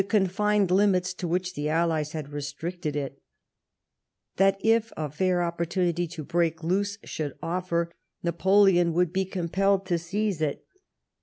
135 confined limits to which the AlHes had restricted It ; that, if a fair opportunity to break loose should offer, Napoleon would be impelled to seize it.